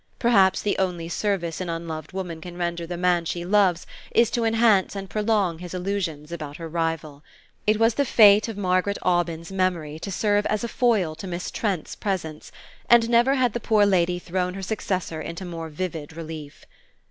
Perhaps the only service an unloved woman can render the man she loves is to enhance and prolong his illusions about her rival. It was the fate of Margaret Aubyn's memory to serve as a foil to Miss Trent's presence, and never had the poor lady thrown her successor into more vivid relief.